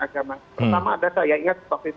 pertama adalah saya ingat waktu itu